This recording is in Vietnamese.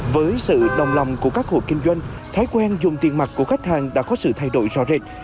với sự đồng lòng của các hộ kinh doanh thói quen dùng tiền mặt của khách hàng đã có sự thay đổi rõ rệt